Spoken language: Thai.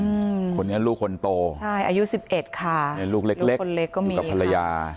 อืมคนนี้ลูกคนโตใช่อายุสิบเอ็ดค่ะลูกเล็กเลยก็มีกับภรรยา